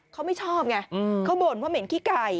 เขาไม่ชอบไงเขาบ่นว่าเหม็นขี้ไก่